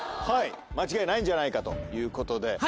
はい間違いないんじゃないかということで。